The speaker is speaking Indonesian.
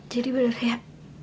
jadi bener ya